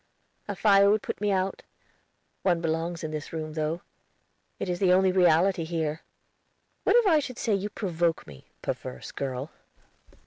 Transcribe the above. "A fire would put me out. One belongs in this room, though. It is the only reality here." "What if I should say you provoke me, perverse girl?"